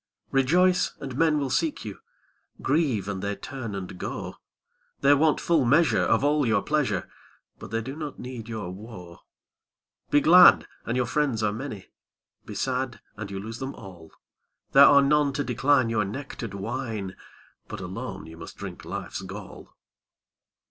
Rejoice, and men will seek you; Grieve, and they turn and go; They want full measure of all your pleasure, But they do not need your woe. Be glad, and your friends are many; Be sad, and you lose them all; There are none to decline your nectar'd wine, But alone you must drink life's gall.